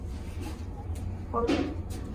元朝初年废除。